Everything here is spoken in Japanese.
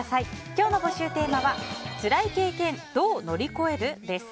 今日の募集テーマはつらい経験どう乗り越える？です。